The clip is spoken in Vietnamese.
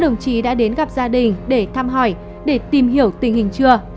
đồng chí đã đến gặp gia đình để thăm hỏi để tìm hiểu tình hình chưa